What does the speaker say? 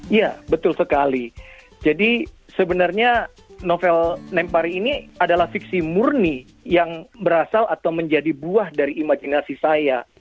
iya betul sekali jadi sebenarnya novel nempari ini adalah fiksi murni yang berasal atau menjadi buah dari imajinasi saya